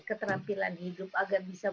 keterampilan hidup agar bisa